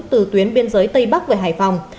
từ tuyến biên giới tây bắc về hải phòng